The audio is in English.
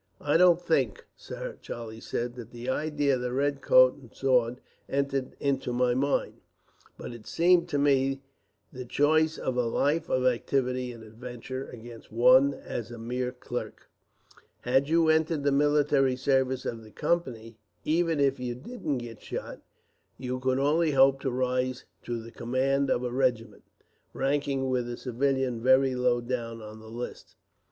"I don't think, sir," Charlie said, "that the idea of the red coat and sword entered into my mind; but it seemed to me the choice of a life of activity and adventure, against one as a mere clerk." "Had you entered the military service of the Company, even if you didn't get shot, you could only hope to rise to the command of a regiment, ranking with a civilian very low down on the list.